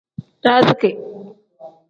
Daaziki.